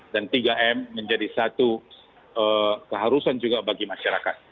dan tiga m menjadi satu keharusan juga bagi masyarakat